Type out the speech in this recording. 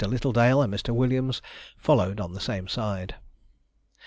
Littledale and Mr. Williams followed on the same side.